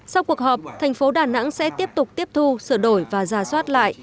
sau cuộc họp thành phố đà nẵng sẽ tiếp tục tiếp thu sửa đổi và ra soát lại